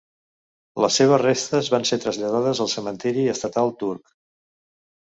Les seves restes van ser traslladades al Cementiri estatal turc.